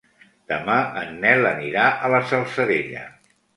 Demà en Nel anirà a la Salzadella.